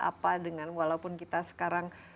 apa dengan walaupun kita sekarang